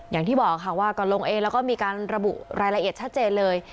อย่างที่บอกค่ะว่าก็ลงเองแล้วก็มีการระบุรายละเอียดชัดเจนเลย